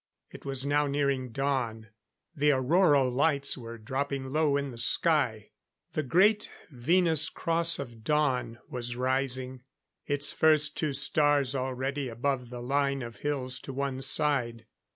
It was now nearing dawn; the auroral lights were dropping low in the sky; the great Venus Cross of Dawn was rising, its first two stars already above the line of hills to one side.